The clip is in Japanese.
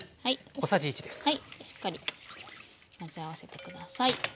しっかり混ぜ合わせて下さい。